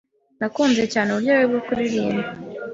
Nakunze cyane uburyo bwe bwo kuririmba.